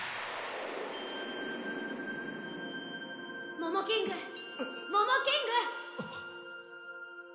モモキングモモキング！